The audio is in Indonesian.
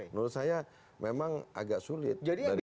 jadi menurut saya memang agak sulit